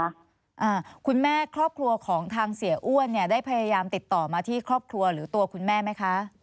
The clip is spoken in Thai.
อ่าคุณแม่ครอบครัวของทางเสียอ้วนเนี่ยได้พยายามติดต่อมาที่ครอบครัวหรือตัวคุณแม่ไหมคะ